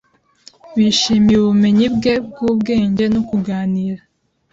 bishimiye ubumenyi bwe bwubwenge no kuganira